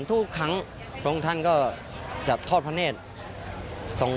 พัฒน์พระองค์ท่านในการแข่งขันทุกครั้ง